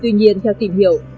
tuy nhiên theo tìm hiểu